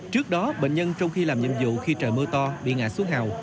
trước đó bệnh nhân trong khi làm nhiệm vụ khi trời mưa to bị ngã xuống hào